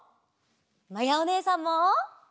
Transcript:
まやおねえさんも！